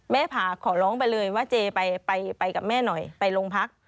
ผ่าขอร้องไปเลยว่าเจไปกับแม่หน่อยไปโรงพัก